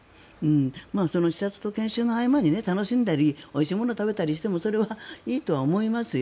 その視察と研修の合間に楽しんだりおいしいものを食べたりしてもそれはいいと思いますよ。